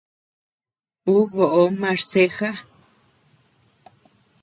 Ú boʼo marceja.